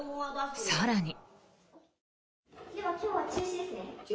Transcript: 更に。